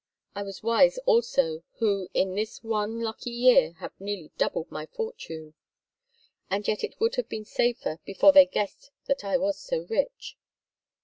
I was wise also, who in this one lucky year have nearly doubled my fortune. And yet it would have been safer, before they guessed that I was so rich.